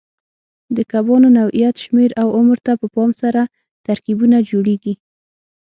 د کبانو نوعیت، شمېر او عمر ته په پام سره ترکیبونه جوړېږي.